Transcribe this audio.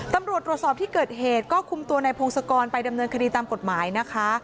ตำรวจตรวจสอบที่เกิดเหตุก็คุมตัวในพงศกรไปดำเนินคดีตามกฎหมายนะคะ